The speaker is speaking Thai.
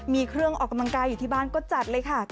มีเครื่องออกกำลังกายออกที่บ้านจัดเลย